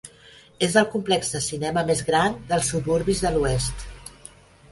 És el complex de cinema més gran dels suburbis de l'oest.